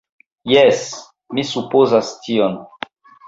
Jes, mi supozas tion